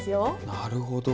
なるほど。